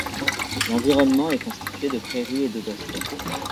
L'environnement est constitué de prairies et de bosquets.